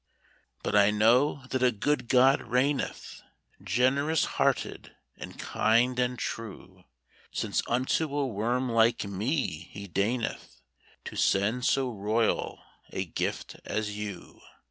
But I know that a good God reigneth, Generous hearted and kind and true; Since unto a worm like me he deigneth To send so royal a gift as you.